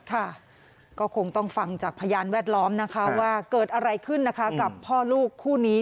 ค่ะก็คงต้องฟังจากพยานแวดล้อมนะคะว่าเกิดอะไรขึ้นนะคะกับพ่อลูกคู่นี้